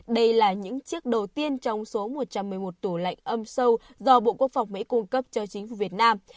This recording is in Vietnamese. đây là những chiếc đầu tiên trong số một trăm một mươi một tủ lạnh âm sâu do bộ quốc phòng mỹ cung cấp cho chính phủ việt nam